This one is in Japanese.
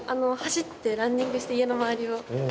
走ってランニングして家の周りを。